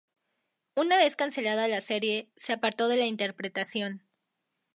Una vez cancelada la serie, se apartó de la interpretación.